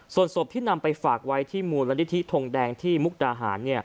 ส่วนศพที่นำไปฝากไว้ที่มูลนิธิทงแดงที่มุกดาหาร